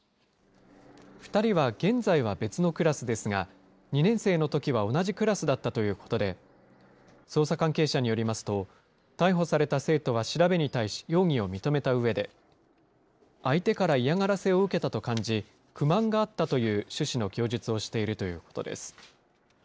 ２人は現在は別のクラスですが、２年生のときは同じクラスだったということで、捜査関係者によりますと、逮捕された生徒は調べに対し、容疑を認めたうえで、相手から嫌がらせを受けたと感じ、不満があったという趣旨の供述をしているということです。